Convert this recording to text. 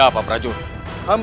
aku harus mencari cara